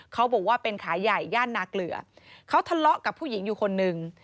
เขาบอกว่าเป็นขายใหญ่ย่านนาเกลือเขาทะเลาะกับผู้หญิงอยู่คนหนึ่ง